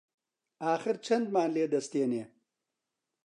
ئاخر چەندمان لێ دەستێنی؟